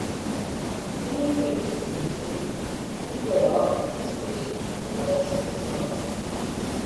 Em uma entrevista de emprego, o ideal é se vestir com mais discrição.